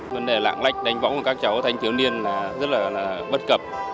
vấn đề lạng lách đánh võ của các cháu thanh thiếu niên rất là bất cập